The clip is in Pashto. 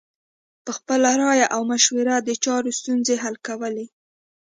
په خپله رایه او مشوره یې د چارو ستونزې حل کولې.